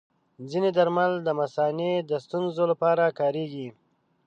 ځینې درمل د مثانې د ستونزو لپاره کارېږي.